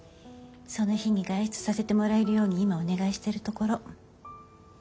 その日に外出させてもらえるように今お願いしてるところ。